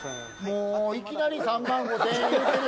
もういきなり３万５，０００円言うてるやん。